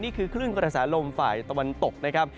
นี่คือคลื่นกระสาลมฝ่ายตะวันตกนะครับ